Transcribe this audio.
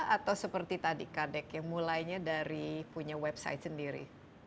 atau seperti tadi kadek yang mulainya dari punya website sendiri